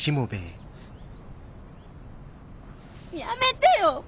やめてよ！